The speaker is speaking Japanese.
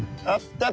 あっ！